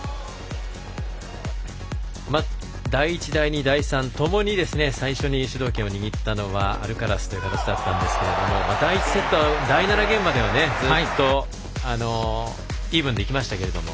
第１、第２、第３とともに最初に主導権を握ったのはアルカラスという形だったんですが第１セットは第７ゲームまでは、ずっとイーブンできましたけども。